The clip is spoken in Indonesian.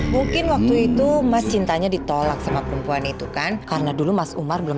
mungkin waktu itu mas cintanya ditolak sama perempuan itu kan karena dulu mas umar belum